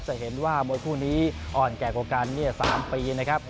จะเห็นว่ามวยคู่นี้อ่อนแก่กว่ากัน๓ปีนะครับ